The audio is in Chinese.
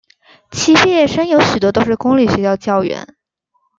其毕业生有许多都是公立学校教员。